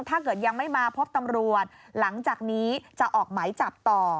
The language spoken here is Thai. ถ้าเกิดยังไม่มาพบตำรวจหลังจากนี้จะออกหมายจับต่อ